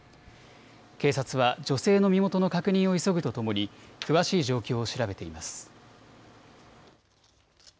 警察は女性の身元の確認を急ぐとともに詳しい状況を調べています。